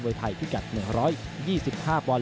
เวทัยพิกัด๑๒๕บอล